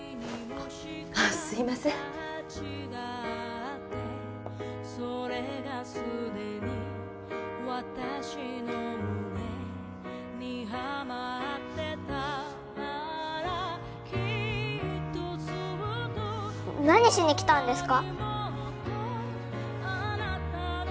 すいません何しに来たんですか？